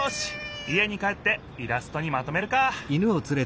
家に帰ってイラストにまとめるか。